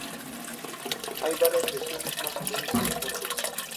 Hay varias versiones, más o menos semejantes.